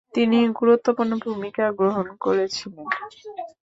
তিনি গুরুত্বপূর্ণ ভূমিকা গ্রহণ করেছিলেন।